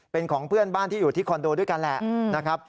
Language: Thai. เป็นของเพื่อนบ้านที่อยู่ที่คอนโดด้วยกันแหละนะครับ